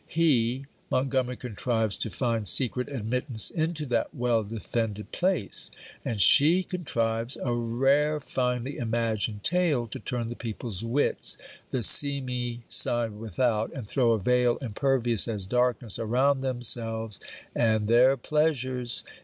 He Montgomery contrives to find secret admittance into that well defended place; and she contrives a rare finely imagined tale to turn the people's wits the seamy side without, and throw a veil impervious as darkness around themselves and their pleasures.